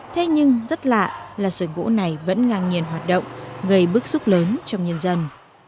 thế nhưng rất lạ là sưởng gỗ này vẫn ngang nhiên hoạt động gây bức xúc lớn trong nhân dân